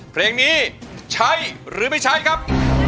เพลงนี้ใช้หรือไม่ใช้ครับ